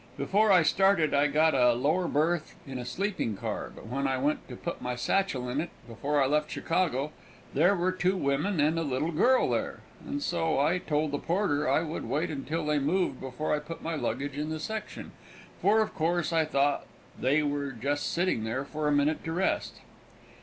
Before I started, I got a lower berth in a sleeping car, but when I went to put my sachel in it, before I left Chicago, there were two women and a little girl there, and so I told the porter I would wait until they moved before I put my baggage in the section, for of course I thought they were just sitting there for a minute to rest.